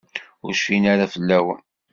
Ur cfin ara fell-awen.